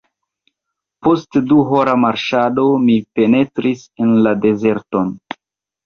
Post duhora marŝado, mi penetris en la dezerton.